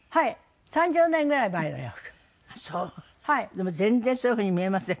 でも全然そういう風に見えません。